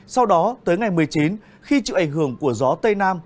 sau đó tới ngày một mươi chín khi chịu ảnh hưởng của gió tây nam